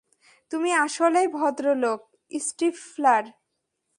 তুমি আসলেই ভদ্রলোক, স্টিফলার।